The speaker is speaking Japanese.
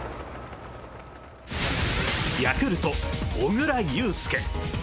ヤクルト・小椋裕介。